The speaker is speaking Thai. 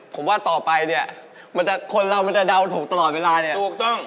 ผมว่าต่อไปเนี่ยมันจะคนเรามันจะเดาถูกตลอดเวลาเนี่ยถูกต้อง